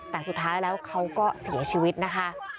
แต่สุดท้ายแล้วเขาก็เสียชีวิตนะคะ